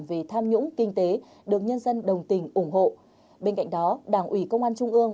về tham nhũng kinh tế được nhân dân đồng tình ủng hộ bên cạnh đó đảng ủy công an trung ương